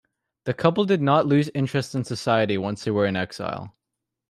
The couple did not lose interest in society once they were in exile.